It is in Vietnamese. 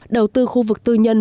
đầu tư khu vực tư nhân